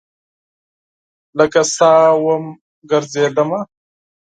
لکه سا وم ګرزیدمه